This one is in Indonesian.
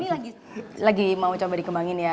ini lagi mau coba dikembangin ya